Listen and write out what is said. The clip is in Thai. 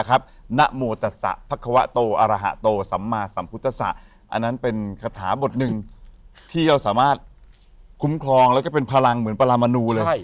อันนั้นเป็นคาถาบทหนึ่งที่เราสามารถคุ้มครองแล้วก็เป็นพลังเหมือนปรามนูเลย